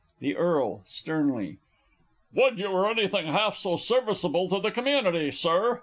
The E. (sternly). Would you were anything half so serviceable to the community, Sir!